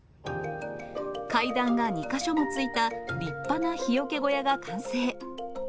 階段が２か所もついた立派な日よけ小屋が完成。